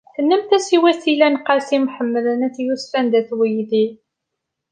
Tennamt-as i Wasila n Qasi Mḥemmed n At Yusef anda-t weydi.